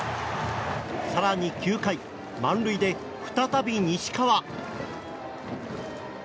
更に９回満塁で再び西川。